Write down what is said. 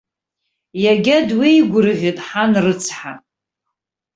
Иага дуеигәырӷьеит ҳан рыцҳа!